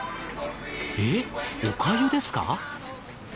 えっおかゆですか？